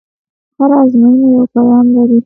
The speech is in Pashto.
هره ازموینه یو پیغام لري.